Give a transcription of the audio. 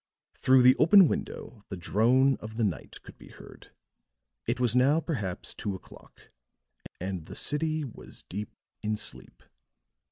Through the open window the drone of the night could be heard. It was now perhaps two o'clock, and the city was deep in sleep.